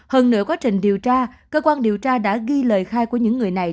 hơn nửa quá trình điều tra cơ quan điều tra đã ghi lời khai của những người này